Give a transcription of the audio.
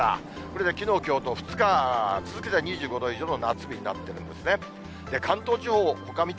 これできのう、きょうと２日続けて２５度以上の夏日になってるんですね。